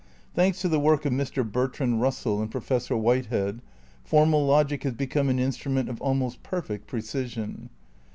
Thanks to the work of Mr, Bertrand Eussell and Professor Whitehead, formal logic has become an instrument of almost perfect precision.